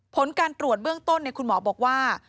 ผลการตรวจเบื้องต้นคุณหมอบอกว่า